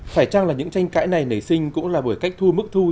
phải chăng là những tranh cãi này nảy sinh cũng là bởi cách thu mức thu